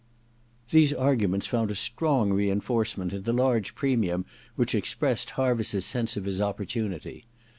These arguments found a strong reinforce ment in the large premium which expressed Harviss's sense of his opportunity.